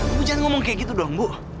ibu jangan ngomong kayak gitu dong bu